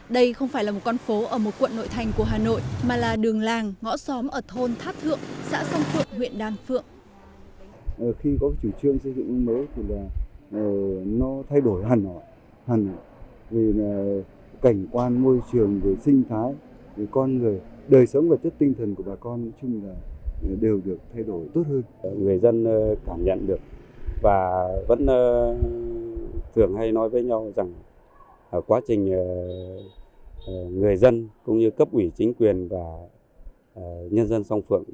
đây không phải là một con phố ở một quận nội thành của hà nội mà là đường làng ngõ xóm ở thôn tháp thượng xã sông phượng huyện đàn phượng